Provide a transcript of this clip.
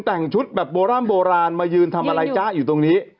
แต่งชุดแบบโบร่ำโบราณมายืนทำอะไรจ๊ะอยู่ตรงนี้